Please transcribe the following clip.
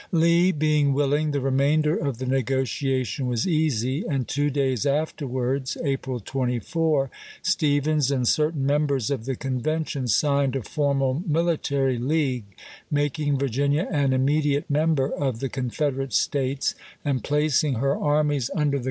Lee being willing, the remainder of the negotiation was easy; and two days afterwards (April 24) Stephens and certain members of the convention signed a formal military league, mak ing Virginia an immediate member of the "Con "^^ern'on federate States," and placing her armies under the v?